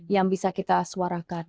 yang bisa kita suarakan